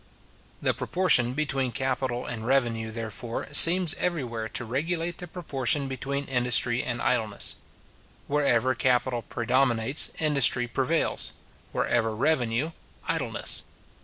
The proportion between capital and revenue, therefore, seems everywhere to regulate the proportion between industry and idleness Wherever capital predominates, industry prevails; wherever revenue, idleness.